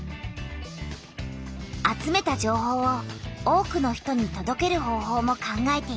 集めた情報を多くの人にとどける方ほうも考えている。